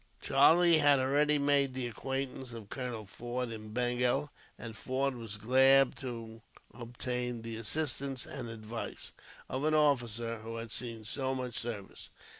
Charlie had already made the acquaintance of Colonel Forde in Bengal, and Forde was glad to obtain the assistance, and advice, of an officer who had seen so much service.